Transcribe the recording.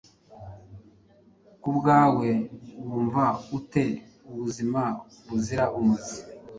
Ku bwawe wumva ute ubuzima buzira umuze?